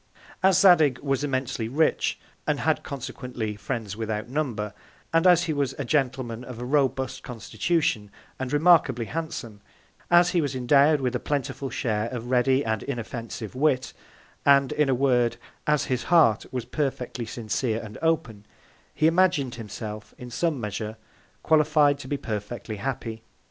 As Zadig was immensely rich, and had consequently Friends without Number; and as he was a Gentleman of a robust Constitution, and remarkably handsome; as he was endowed with a plentiful Share of ready and inoffensive Wit: And, in a Word, as his Heart was perfectly sincere and open, he imagin'd himself, in some Measure, qualified to be perfectly happy.